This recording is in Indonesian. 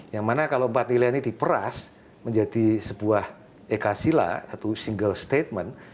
yang mana kalau empat nilai ini diperas menjadi sebuah ekasila satu single statement